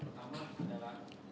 dan punya pencetak